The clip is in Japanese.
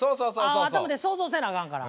頭で想像せなあかんから。